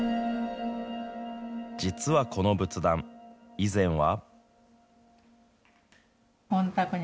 実はこの仏壇、以前は。